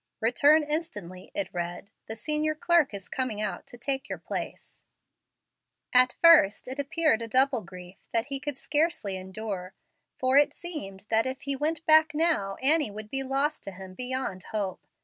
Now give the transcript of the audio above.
"Return instantly," it read; "the senior clerk is coming out to take your place." At first it appeared a double grief that he could scarcely endure, for it seemed that if he went back now Annie would be lost to him beyond hope.